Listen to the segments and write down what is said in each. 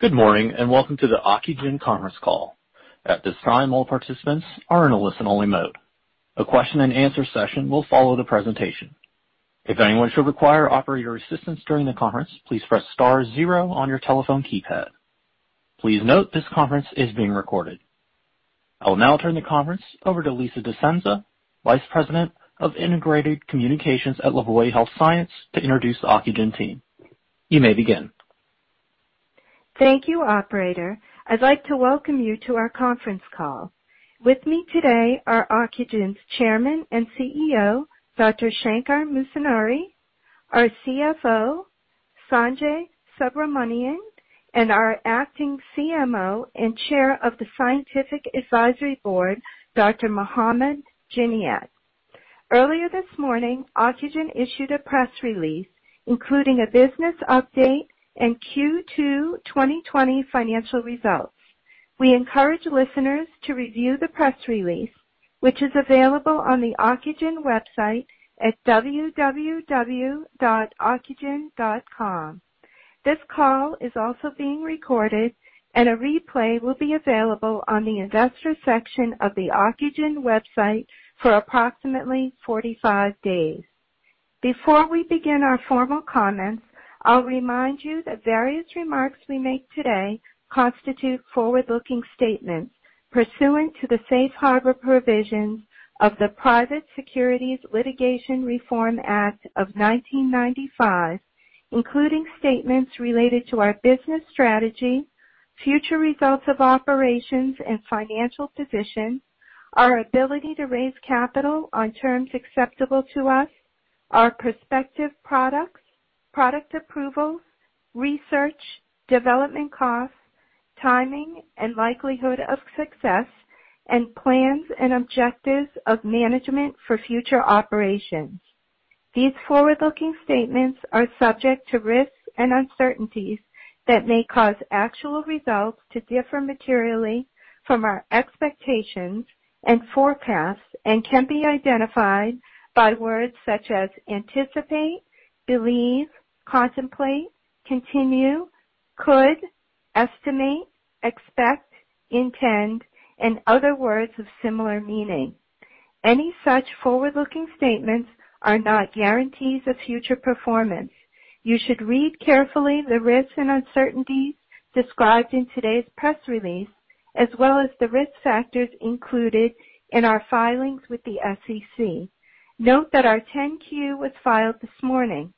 Good morning, welcome to the Ocugen conference call. At this time, all participants are in a listen-only mode. A question and answer session will follow the presentation. If anyone should require operator assistance during the conference, please press star zero on your telephone keypad. Please note this conference is being recorded. I will now turn the conference over to Lisa DeScenza, Vice President of Integrated Communications at LaVoie Health Science, to introduce the Ocugen team. You may begin. Thank you, operator. I'd like to welcome you to our conference call. With me today are Ocugen's Chairman and CEO, Dr. Shankar Musunuri, our CFO, Sanjay Subramanian, and our acting CMO and Chair of the Scientific Advisory Board, Dr. Mohamed Genead. Earlier this morning, Ocugen issued a press release including a business update and Q2 2020 financial results. We encourage listeners to review the press release, which is available on the Ocugen website at www.ocugen.com. This call is also being recorded, and a replay will be available on the investor section of the Ocugen website for approximately 45 days. Before we begin our formal comments, I'll remind you that various remarks we make today constitute forward-looking statements pursuant to the safe harbor provisions of the Private Securities Litigation Reform Act of 1995, including statements related to our business strategy, future results of operations and financial position, our ability to raise capital on terms acceptable to us, our prospective products, product approvals, research, development costs, timing and likelihood of success, and plans and objectives of management for future operations. These forward-looking statements are subject to risks and uncertainties that may cause actual results to differ materially from our expectations and forecasts and can be identified by words such as anticipate, believe, contemplate, continue, could, estimate, expect, intend, and other words of similar meaning. Any such forward-looking statements are not guarantees of future performance. You should read carefully the risks and uncertainties described in today's press release, as well as the risk factors included in our filings with the SEC. Note that our 10-Q was filed this morning.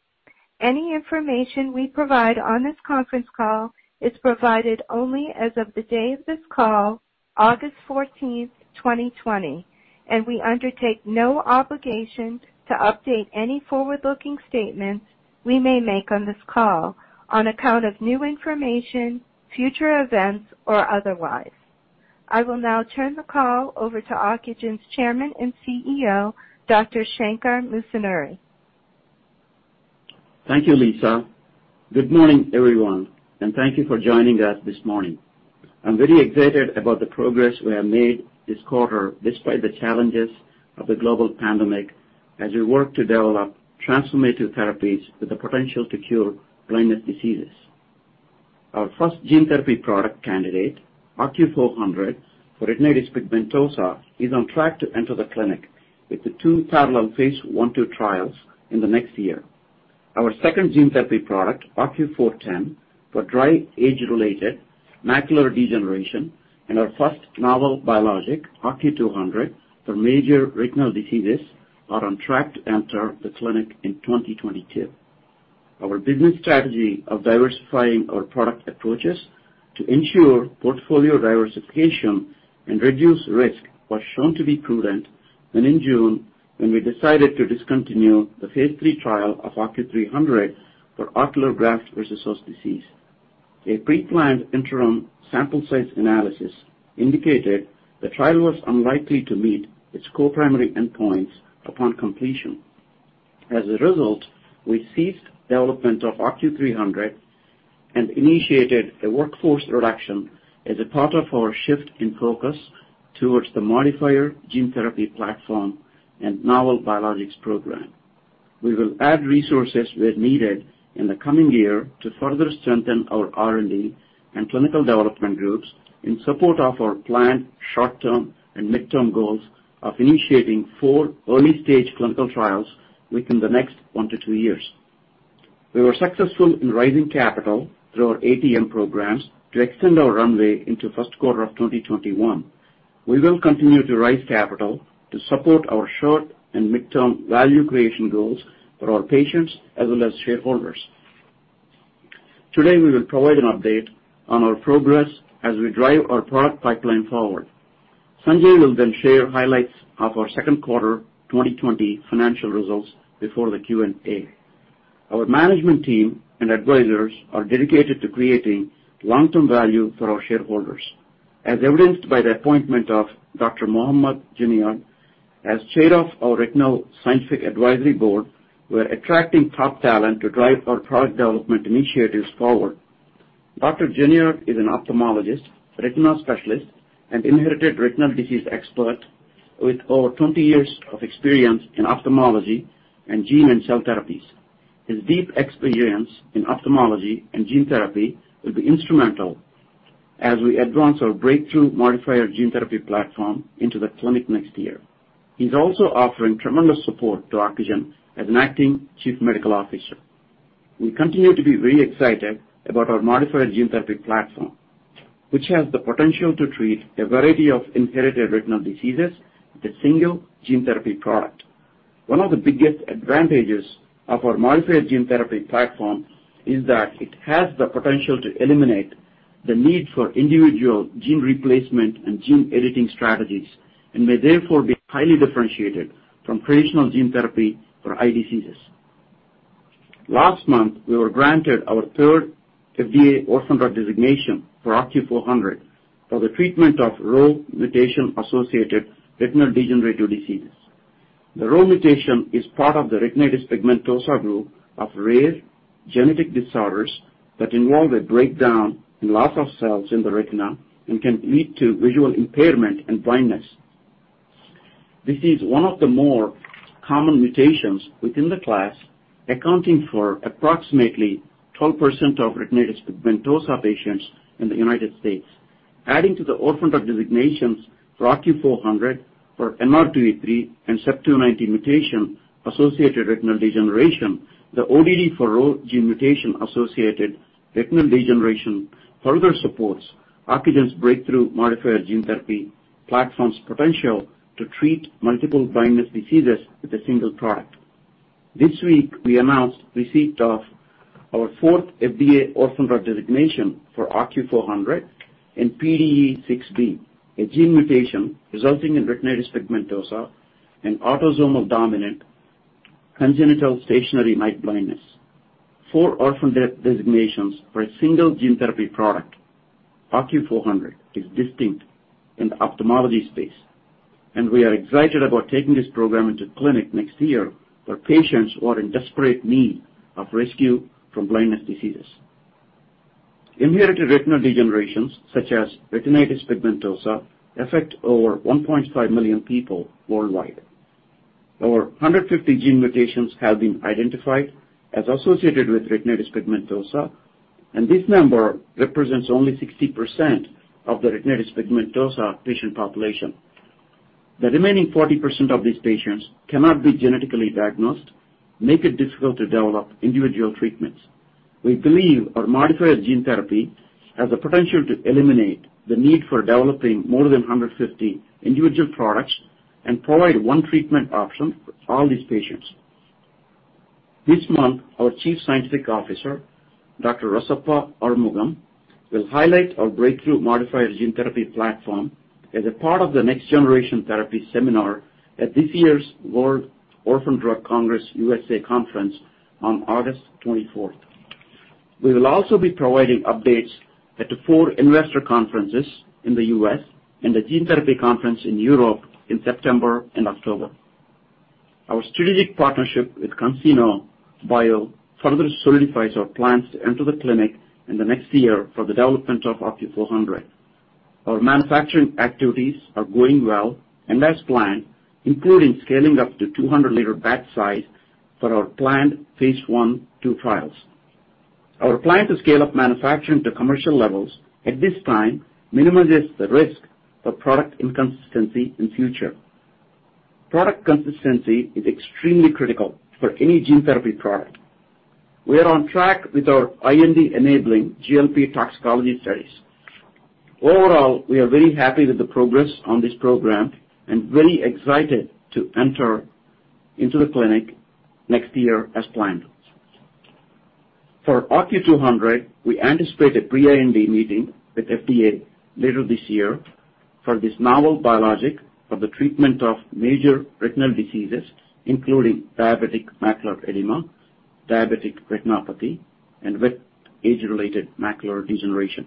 Any information we provide on this conference call is provided only as of the day of this call, August 14th, 2020, and we undertake no obligation to update any forward-looking statements we may make on this call on account of new information, future events, or otherwise. I will now turn the call over to Ocugen's Chairman and CEO, Dr. Shankar Musunuri. Thank you, Lisa. Good morning, everyone, and thank you for joining us this morning. I'm very excited about the progress we have made this quarter despite the challenges of the global pandemic as we work to develop transformative therapies with the potential to cure blindness diseases. Our first gene therapy product candidate, OCU400 for retinitis pigmentosa, is on track to enter the clinic with the two parallel phase I/II trials in the next year. Our second gene therapy product, OCU410 for dry age-related macular degeneration, and our first novel biologic, OCU200 for major retinal diseases, are on track to enter the clinic in 2022. Our business strategy of diversifying our product approaches to ensure portfolio diversification and reduce risk was shown to be prudent when in June, when we decided to discontinue the phase III trial of OCU300 for ocular graft versus host disease. A pre-planned interim sample size analysis indicated the trial was unlikely to meet its co-primary endpoints upon completion. As a result, we ceased development of OCU300 and initiated a workforce reduction as a part of our shift in focus towards the modifier gene therapy platform and novel biologics program. We will add resources where needed in the coming year to further strengthen our R&D and clinical development groups in support of our planned short-term and mid-term goals of initiating four early-stage clinical trials within the next one to two years. We were successful in raising capital through our ATM programs to extend our runway into first quarter of 2021. We will continue to raise capital to support our short- and mid-term value creation goals for our patients as well as shareholders. Today, we will provide an update on our progress as we drive our product pipeline forward. Sanjay will share highlights of our second quarter 2020 financial results before the Q&A. Our management team and advisors are dedicated to creating long-term value for our shareholders. As evidenced by the appointment of Dr. Mohamed Genead as chair of our Retina Scientific Advisory Board, we're attracting top talent to drive our product development initiatives forward. Dr. Genead is an ophthalmologist, retinal specialist, and inherited retinal disease expert. With over 20 years of experience in ophthalmology and gene and cell therapies. His deep experience in ophthalmology and gene therapy will be instrumental as we advance our breakthrough modifier gene therapy platform into the clinic next year. He's also offering tremendous support to Ocugen as an Acting Chief Medical Officer. We continue to be very excited about our modifier gene therapy platform, which has the potential to treat a variety of inherited retinal diseases with a single gene therapy product. One of the biggest advantages of our modifier gene therapy platform is that it has the potential to eliminate the need for individual gene replacement and gene editing strategies, and may therefore, be highly differentiated from traditional gene therapy for eye diseases. Last month, we were granted our third FDA Orphan Drug Designation for OCU400 for the treatment of RHO mutation-associated retinal degenerative diseases. The RHO mutation is part of the retinitis pigmentosa group of rare genetic disorders that involve a breakdown and loss of cells in the retina and can lead to visual impairment and blindness. This is one of the more common mutations within the class, accounting for approximately 12% of retinitis pigmentosa patients in the United States. Adding to the Orphan Drug Designations for OCU400 for NR2E3 and CEP290 mutation-associated retinal degeneration, the ODD for RHO gene mutation-associated retinal degeneration further supports Ocugen's breakthrough modifier gene therapy platform's potential to treat multiple blindness diseases with a single product. This week, we announced receipt of our fourth FDA Orphan Drug Designation for OCU400 in PDE6B, a gene mutation resulting in retinitis pigmentosa and autosomal dominant congenital stationary night blindness. Four Orphan designations for a single gene therapy product, OCU400, is distinct in the ophthalmology space, and we are excited about taking this program into clinic next year for patients who are in desperate need of rescue from blindness diseases. Inherited retinal degenerations such as retinitis pigmentosa affect over 1.5 million people worldwide. Over 150 gene mutations have been identified as associated with retinitis pigmentosa, and this number represents only 60% of the retinitis pigmentosa patient population. The remaining 40% of these patients cannot be genetically diagnosed, make it difficult to develop individual treatments. We believe our modifier gene therapy has the potential to eliminate the need for developing more than 150 individual products and provide one treatment option for all these patients. This month, our Chief Scientific Officer, Dr. Rasappa Arumugham, will highlight our breakthrough modifier gene therapy platform as a part of the Next Generation Therapy Seminar at this year's World Orphan Drug Congress USA conference on August 24th. We will also be providing updates at the four investor conferences in the U.S. and the Gene Therapy Conference in Europe in September and October. Our strategic partnership with CanSino Biologics further solidifies our plans to enter the clinic in the next year for the development of OCU400. Our manufacturing activities are going well and as planned, including scaling up to 200-liter batch size for our planned phase I/II trials. Our plan to scale up manufacturing to commercial levels at this time minimizes the risk for product inconsistency in future. Product consistency is extremely critical for any gene therapy product. We are on track with our IND-enabling GLP toxicology studies. Overall, we are very happy with the progress on this program and very excited to enter into the clinic next year as planned. For OCU200, we anticipate a pre-IND meeting with FDA later this year for this novel biologic for the treatment of major retinal diseases, including diabetic macular edema, diabetic retinopathy, and wet age-related macular degeneration.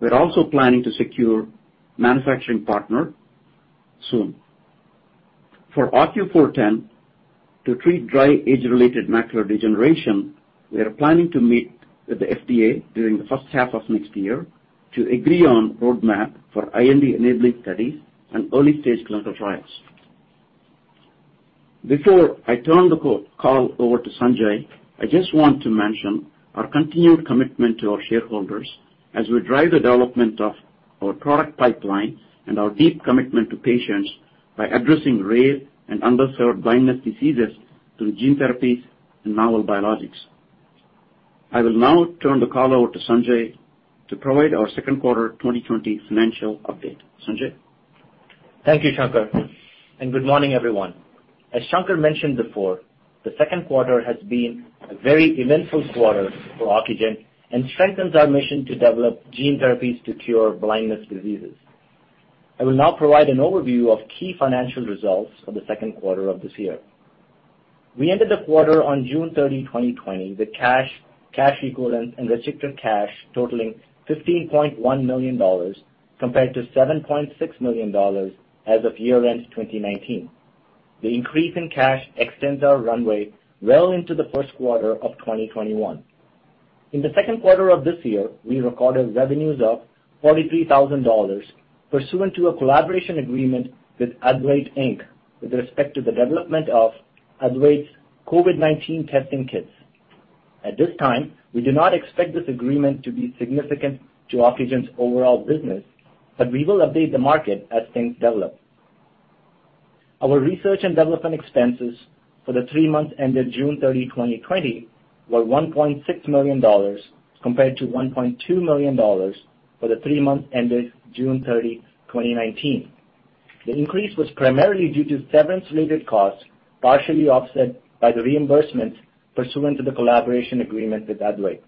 We're also planning to secure manufacturing partner soon. For OCU410 to treat dry age-related macular degeneration, we are planning to meet with the FDA during the first half of next year to agree on roadmap for IND enabling studies and early-stage clinical trials. Before I turn the call over to Sanjay, I just want to mention our continued commitment to our shareholders as we drive the development of our product pipeline and our deep commitment to patients by addressing rare and underserved blindness diseases through gene therapies and novel biologics. I will now turn the call over to Sanjay to provide our second quarter 2020 financial update. Sanjay? Thank you, Shankar, and good morning, everyone. As Shankar mentioned before, the second quarter has been a very eventful quarter for Ocugen and strengthens our mission to develop gene therapies to cure blindness diseases. I will now provide an overview of key financial results for the second quarter of this year. We ended the quarter on June 30th, 2020, with cash equivalents, and restricted cash totaling $15.1 million compared to $7.6 million as of year-end 2019. The increase in cash extends our runway well into the first quarter of 2021. In the second quarter of this year, we recorded revenues of $43,000 pursuant to a collaboration agreement with Adare Inc. with respect to the development of Adare's COVID-19 testing kits. At this time, we do not expect this agreement to be significant to Ocugen's overall business, but we will update the market as things develop. Our research and development expenses for the three months ended June 30th, 2020, were $1.6 million, compared to $1.2 million for the three months ended June 30th, 2019. The increase was primarily due to severance-related costs, partially offset by the reimbursement pursuant to the collaboration agreement with Adare Inc.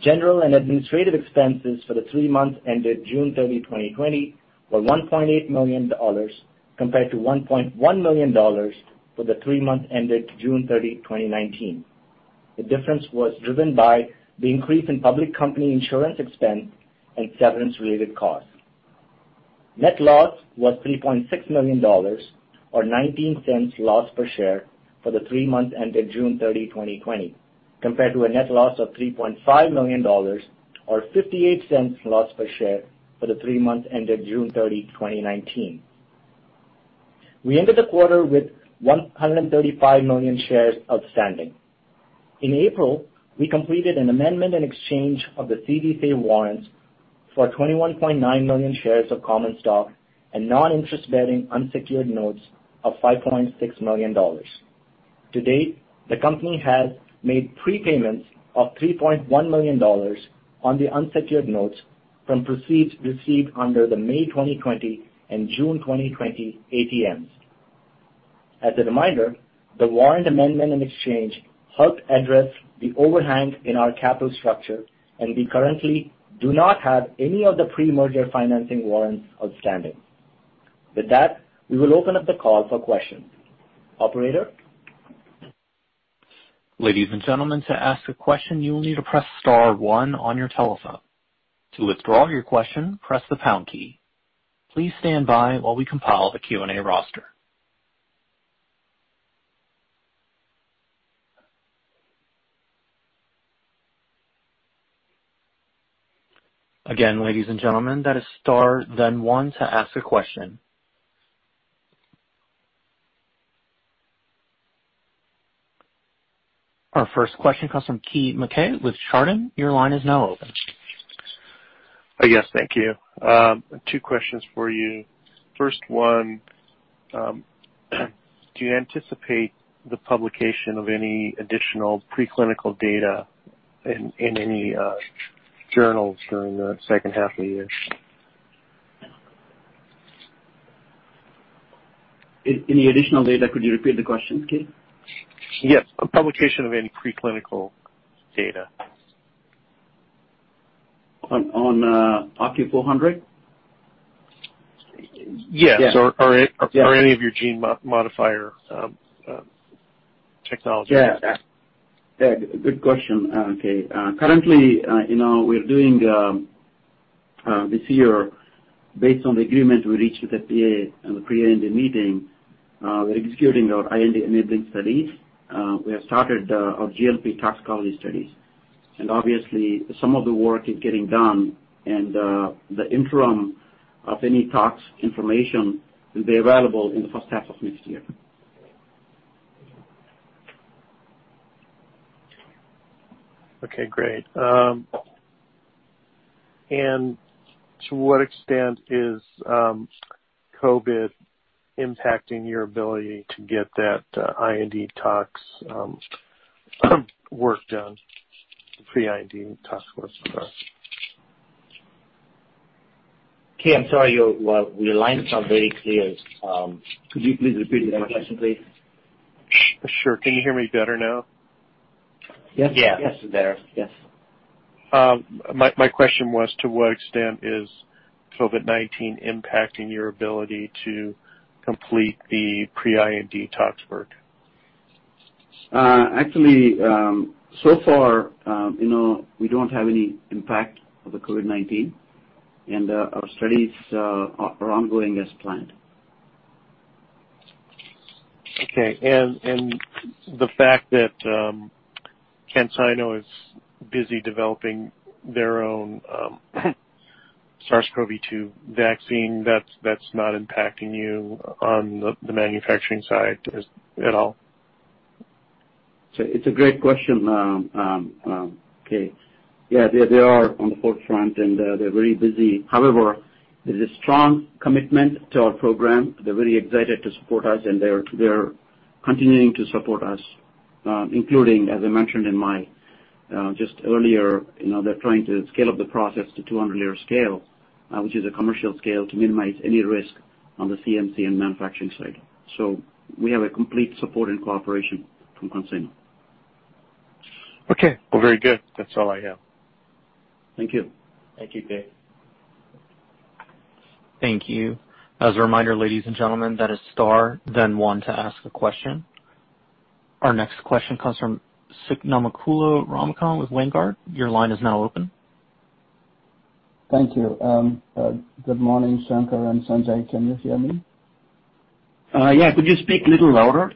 General and administrative expenses for the three months ended June 30th, 2020, were $1.8 million compared to $1.1 million for the three months ended June 30th, 2019. The difference was driven by the increase in public company insurance expense and severance-related costs. Net loss was $3.6 million, or $0.19 loss per share for the three months ended June 30, 2020, compared to a net loss of $3.5 million or $0.58 loss per share for the three months ended June 30, 2019. We ended the quarter with 135 million shares outstanding. In April, we completed an amendment in exchange of the CDC warrants for 21.9 million shares of common stock and non-interest-bearing unsecured notes of $5.6 million. To date, the company has made prepayments of $3.1 million on the unsecured notes from proceeds received under the May 2020 and June 2020 ATMs. As a reminder, the warrant amendment and exchange helped address the overhang in our capital structure, and we currently do not have any of the pre-merger financing warrants outstanding. With that, we will open up the call for questions. Operator? Ladies and gentlemen, to ask a question you will need to press star one on your telephone. To withdraw your question, press the pound key. Please stand by while we compile the Q&A roster. Again ladies and gentlemen that is star, then one to ask a question. Our first question comes from Keith Mackay with Chardan. Your line is now open. Yes. Thank you. Two questions for you. First one, do you anticipate the publication of any additional preclinical data in any journals during the second half of the year? Any additional data? Could you repeat the question, Keith? Yes, publication of any preclinical data. On OCU400? Yes. Yes. Any of your gene modifier technologies. Yeah. Good question, Keith. Currently, we're doing this year based on the agreement we reached with the FDA and the pre-IND meeting, we're executing our IND-enabling studies. We have started our GLP toxicology studies. Obviously, some of the work is getting done and the interim of any tox information will be available in the first half of next year. Okay, great. To what extent is COVID impacting your ability to get that IND tox work done, the pre-IND tox work done? Keith, I'm sorry. Your line is not very clear. Could you please repeat the question, please? Sure. Can you hear me better now? Yes. Better. Yes. My question was to what extent is COVID-19 impacting your ability to complete the pre-IND tox work? Actually, so far, we don't have any impact of the COVID-19. Our studies are ongoing as planned. Okay. The fact that CanSino is busy developing their own SARS-CoV-2 vaccine, that's not impacting you on the manufacturing side at all? It's a great question, Keith. They are on the forefront, and they're very busy. However, there's a strong commitment to our program. They're very excited to support us, and they're continuing to support us, including, as I mentioned just earlier, they're trying to scale up the process to 200-liter scale, which is a commercial scale, to minimize any risk on the CMC and manufacturing side. We have a complete support and cooperation from CanSino. Okay. Well, very good. That's all I have. Thank you. Thank you, Keith. Thank you. As a reminder, ladies and gentlemen, that is star then one to ask a question. Our next question comes from Swayampakula Ramakanth with H.C. Wainwright. Your line is now open. Thank you. Good morning, Shankar and Sanjay. Can you hear me? Yeah. Could you speak a little louder?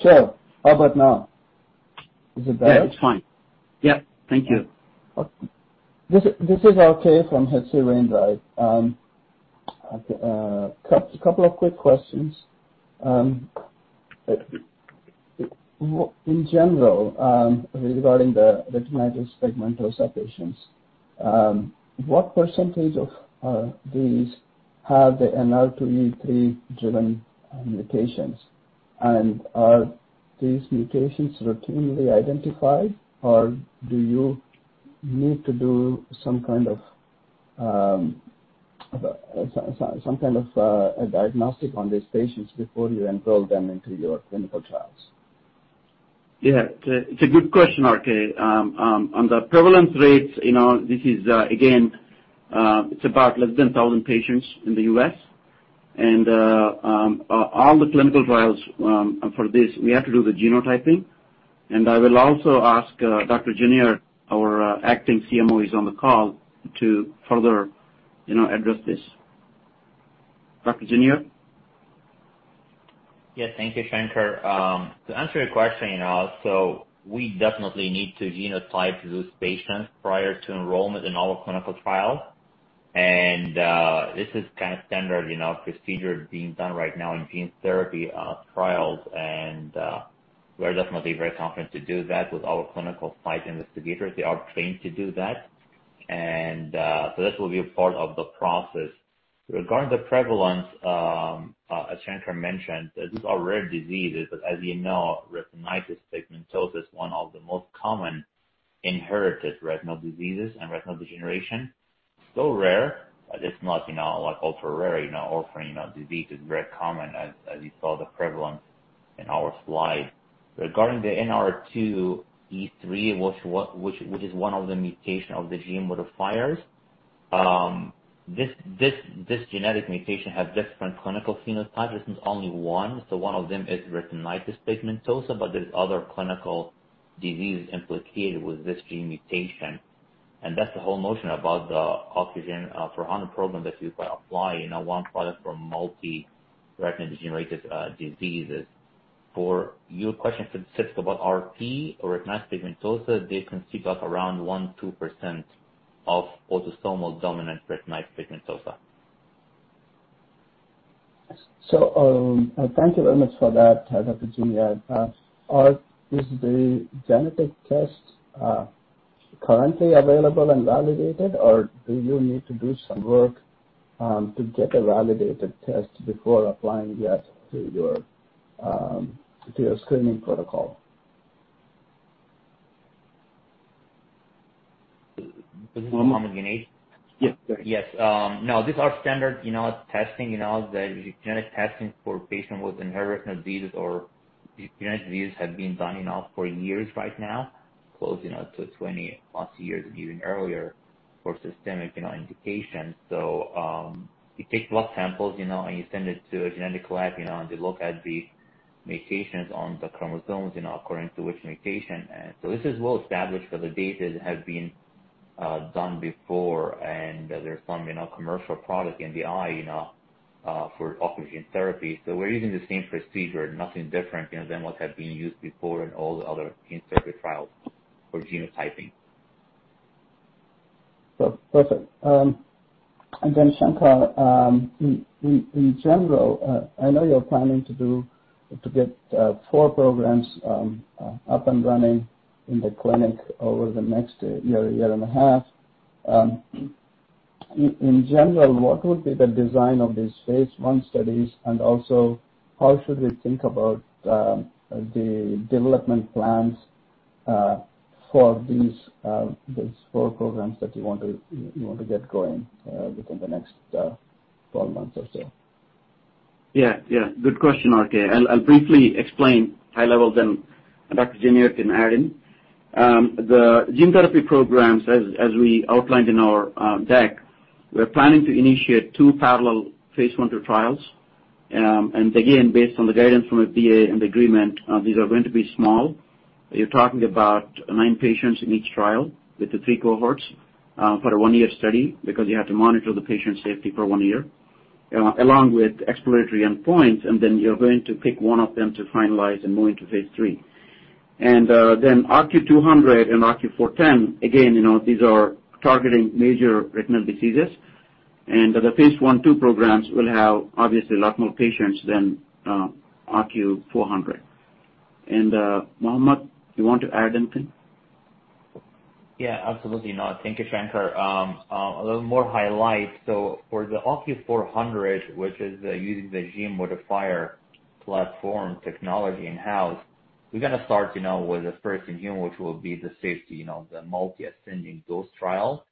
Sure. How about now? Is it better? Yeah, it's fine. Yeah, thank you. This is RK from H.C. Wainwright. A couple of quick questions. In general, regarding the retinitis pigmentosa patients, what % of these have the NR2E3 driven mutations? Are these mutations routinely identified, or do you need to do some kind of a diagnostic on these patients before you enroll them into your clinical trials? Yeah. It's a good question, RK. On the prevalence rates, this is, again, it's about less than 1,000 patients in the U.S. All the clinical trials for this, we have to do the genotyping. I will also ask Dr. Genead, our acting CMO is on the call, to further address this. Dr. Genead? Yes. Thank you, Shankar. To answer your question, we definitely need to genotype those patients prior to enrollment in all clinical trials. This is standard procedure being done right now in gene therapy trials, we're definitely very confident to do that with our clinical site investigators. They are trained to do that. This will be a part of the process. Regarding the prevalence, as Shankar mentioned, these are rare diseases, as you know, retinitis pigmentosa is one of the most common inherited retinal diseases and retinal degeneration. Still rare, it's not ultra-rare. Orphaning of disease is very common, as you saw the prevalence in our slide. Regarding the NR2E3, which is one of the mutation of the gene modifiers. This genetic mutation has different clinical phenotypes. This is only one. One of them is retinitis pigmentosa, but there's other clinical disease implicated with this gene mutation. That's the whole notion about the OCU400 program that we apply in one product for multi retinal degenerated diseases. For your question, specific about RP or retinitis pigmentosa, this can take up around one, 2% of autosomal dominant retinitis pigmentosa. Thank you very much for that, Dr. Genead. Is the genetic test currently available and validated, or do you need to do some work to get a validated test before applying that to your screening protocol? This is Mohamed Genead. Yes, sorry. Yes. No, these are standard testing. The genetic testing for patient with inherited retinal diseases or genetic diseases have been done enough for years right now, close to 20+ years, even earlier, for systemic indication. You take blood samples, and you send it to a genetic lab, and they look at the mutations on the chromosomes according to which mutation. This is well established because the data has been done before. There's some commercial product in the eye for ocular gene therapy. We're using the same procedure, nothing different, than what had been used before in all the other insertive trials for genotyping. Perfect. Then Shankar, in general, I know you're planning to get four programs up and running in the clinic over the next year and a half. In general, what would be the design of these phase I studies? Also, how should we think about the development plans for these four programs that you want to get going within the next 12 months or so? Yeah. Good question, RK. I'll briefly explain high level, then Dr. Genead can add in. The gene therapy programs, as we outlined in our deck, we're planning to initiate two parallel phase I/II trials. Again, based on the guidance from the FDA and the agreement, these are going to be small. You're talking about nine patients in each trial with the three cohorts for a one-year study because you have to monitor the patient's safety for one year along with exploratory endpoints, then you're going to pick one of them to finalize and move into phase III. Then OCU200 and OCU410, again, these are targeting major retinal diseases, and the phase I/II programs will have, obviously, a lot more patients than OCU400. Mohamed, you want to add anything? Yeah, absolutely. No, thank you, Shankar. A little more highlight. For the OCU400, which is using the gene modifier platform technology in-house, we're going to start with the first-in-human, which will be the safety, the multi-ascending dose trial.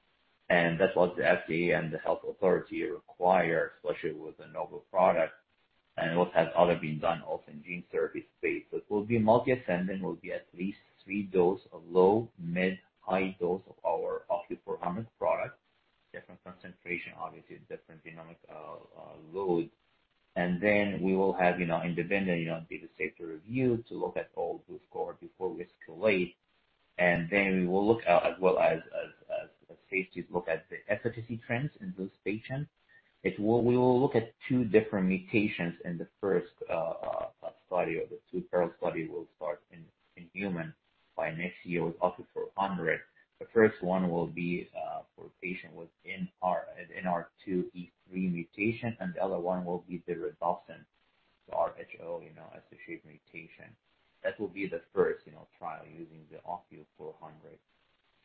That's what the FDA and the health authority require, especially with a novel product. What has already been done ocular gene therapy space. It will be multi-ascending, will be at least three dose of low, mid, high dose of our OCU400 product, different concentration, obviously different genomic load. Then we will have independent data safety review to look at all those scores before we escalate. Then we will look as well as safety, look at the efficacy trends in those patients. We will look at two different mutations in the first study, or the two parallel studies will start in-human by next year with OCU400. The first one will be for a patient with NR2E3 mutation, and the other one will be the rhodopsin, so RHO-associated mutation. That will be the first trial using the OCU400.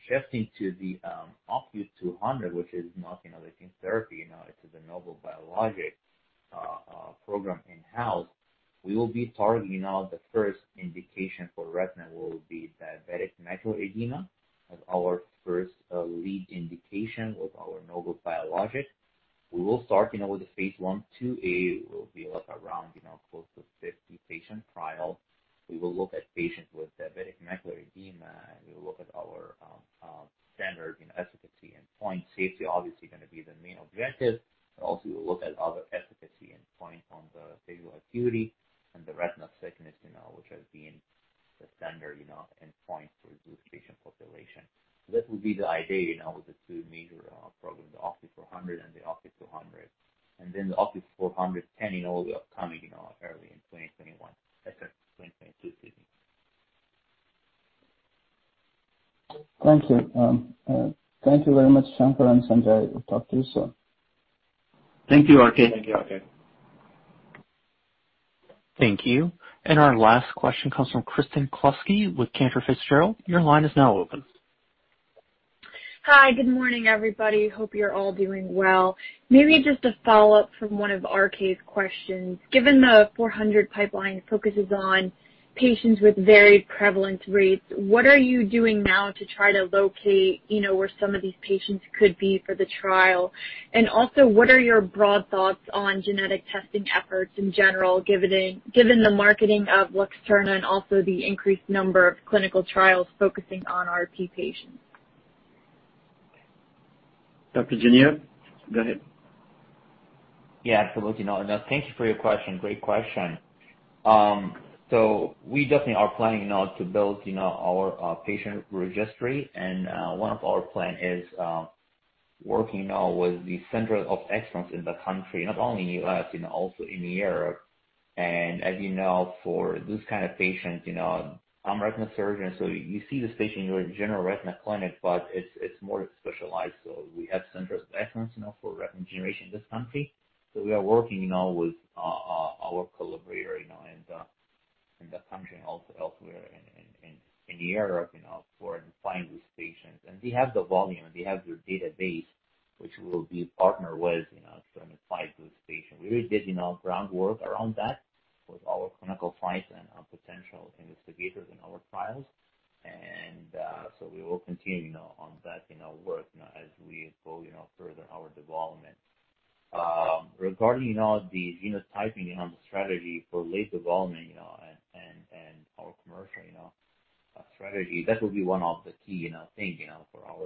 Shifting to the OCU200, which is not another gene therapy, it is a novel biologic program in-house. We will be targeting the first indication for retina will be diabetic macular edema as our first lead indication with our novel biologic. We will start with the phase I/IIA. It will be around close to 50-patient trial. We will look at patients with diabetic macular edema, and we will look at our standard in efficacy endpoint safety, obviously going to be the main objective, but also we will look at other efficacy endpoint on the visual acuity and the retina thickness, which has been the standard endpoint for this patient population. That will be the idea with the two major programs, the OCU400 and the OCU200. The OCU400 planning will be upcoming early in 2021, second 2022, excuse me. Thank you. Thank you very much, Shankar and Sanjay. Talk to you soon. Thank you, RK. Thank you, RK. Thank you. Our last question comes from Kristen Kluska with Cantor Fitzgerald. Your line is now open. Hi, good morning, everybody. Hope you're all doing well. Maybe just a follow-up from one of RK's questions. Given the 400 pipeline focuses on patients with varied prevalent rates, what are you doing now to try to locate where some of these patients could be for the trial? Also, what are your broad thoughts on genetic testing efforts in general, given the marketing of LUXTURNA and also the increased number of clinical trials focusing on RP patients? Dr. Genead, go ahead. Yeah, absolutely. Thank you for your question. Great question. We definitely are planning now to build our patient registry. One of our plan is working now with the center of excellence in the country, not only in U.S., also in Europe. As you know, for this kind of patient, I'm a retina surgeon, so you see this patient in your general retina clinic, but it's more specialized. We have centers of excellence for retinal degeneration in this country. We are working now with our collaborator in the country and also elsewhere in Europe for finding these patients. They have the volume, they have their database, which we'll be partner with to identify those patients. We already did groundwork around that with our clinical trials and our potential investigators in our trials. We will continue on that work as we go further our development. Regarding the genotyping on the strategy for late development and our commercial strategy, that will be one of the key things for our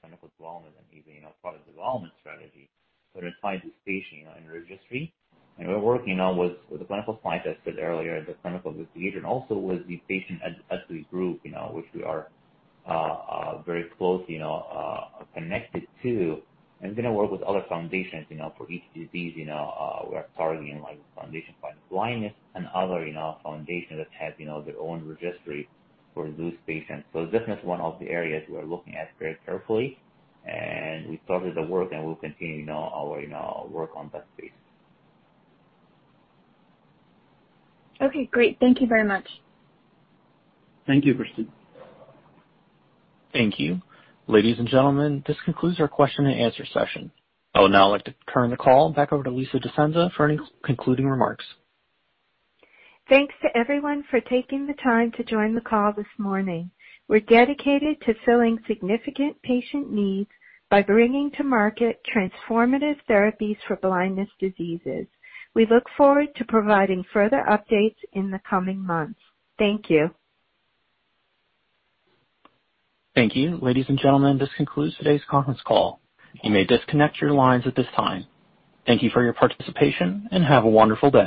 clinical development and even product development strategy. To find this patient in registry, and we're working now with the clinical scientist said earlier, the clinical research, and also with the patient advocacy group which we are very closely connected to, and going to work with other foundations for each disease we're targeting, like the Foundation Fighting Blindness and other foundations that have their own registry for those patients. Definitely one of the areas we're looking at very carefully, and we started the work, and we'll continue our work on that space. Okay, great. Thank you very much. Thank you, Kristen. Thank you. Ladies and gentlemen, this concludes our question and answer session. I would now like to turn the call back over to Lisa DeScenza for any concluding remarks. Thanks to everyone for taking the time to join the call this morning. We're dedicated to filling significant patient needs by bringing to market transformative therapies for blindness diseases. We look forward to providing further updates in the coming months. Thank you. Thank you. Ladies and gentlemen, this concludes today's conference call. You may disconnect your lines at this time. Thank you for your participation, and have a wonderful day.